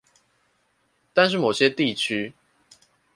但是某些地區